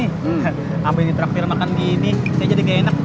sampai ditraktir makan gini saya jadi gaya enak